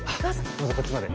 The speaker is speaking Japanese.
どうぞこっちまで。